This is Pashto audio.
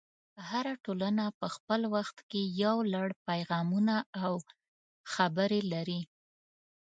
هره ټولنه په خپل وخت کې یو لړ پیغامونه او خبرې لري.